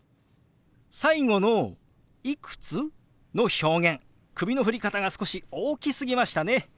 最後の「いくつ？」の表現首の振り方が少し大きすぎましたね。